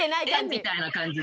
みたいな感じで。